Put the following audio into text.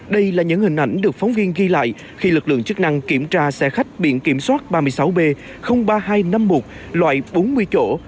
đây là những hình ảnh được phóng viên ghi lại khi lực lượng chức năng kiểm tra xe khách biển kiểm soát ba mươi sáu b ba nghìn hai trăm năm mươi một loại bốn mươi chỗ